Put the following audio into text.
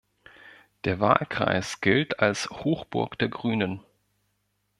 Der Wahlkreis gilt als Hochburg der Grünen.